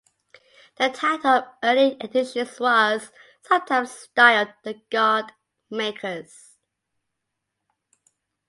The title of early editions was sometimes styled "The God Makers".